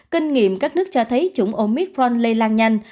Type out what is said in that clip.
kinh nghiệm các nước cho thấy chủng omitron lây lan nhanh